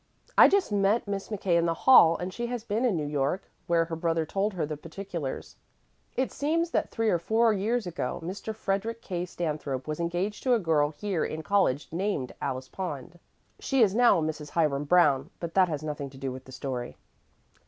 "I just met Miss McKay in the hall, and she has been in New York, where her brother told her the particulars. It seems that three or four years ago Mr. Frederick K. Stanthrope was engaged to a girl here in college named Alice Pond she is now Mrs. Hiram Brown, but that has nothing to do with the story.